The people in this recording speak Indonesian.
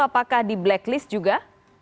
apakah di blacklist juga